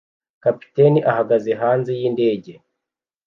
Kapiteni ahagaze hanze yindege